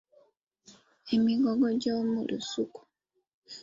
Emigogo gy’omu lusuku.